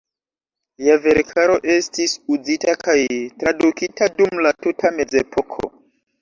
Lia verkaro estis uzita kaj tradukita dum la tuta Mezepoko.